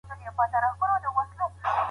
موږ تېره اونۍ په غره کې ډېر زیات وګرځېدو.